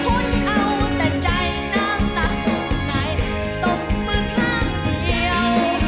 ผู้หญิงทุกคนเอาแต่ใจน้ำหนักนายตกมือข้างเดียว